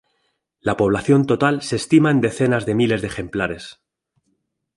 La población total se estima en decenas de miles de ejemplares.